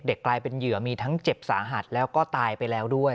กลายเป็นเหยื่อมีทั้งเจ็บสาหัสแล้วก็ตายไปแล้วด้วย